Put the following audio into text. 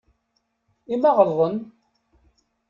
I ma ɣelḍen?